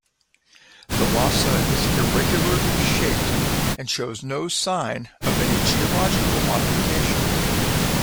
Thalassa is irregularly shaped and shows no sign of any geological modification.